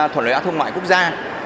thuận lợi án thương mại quốc gia